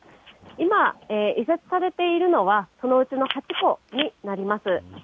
今、移設されているのは、そのうちの８戸になります。